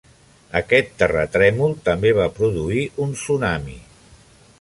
Aquest terratrèmol també va produir un tsunami.